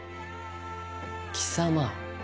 貴様。